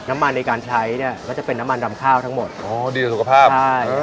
ในการใช้เนี่ยก็จะเป็นน้ำมันดำข้าวทั้งหมดอ๋อดีกับสุขภาพใช่